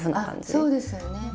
あそうですよね。